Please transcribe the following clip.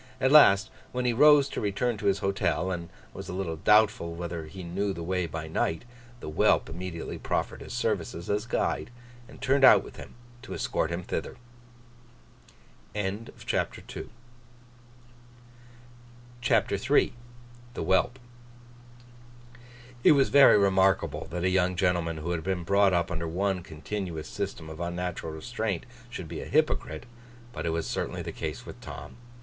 At last, when he rose to return to his hotel, and was a little doubtful whether he knew the way by night, the whelp immediately proffered his services as guide, and turned out with him to escort him thither. [Picture: Mr. Harthouse dines at the Bounderby's] CHAPTER III THE WHELP IT was very remarkable that a young gentleman who had been brought up under one continuous system of unnatural restraint, should be a hypocrite; but it was certainly the case with Tom.